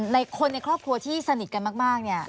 ในคนในครอบครัวที่สนิทกันมากเนี่ย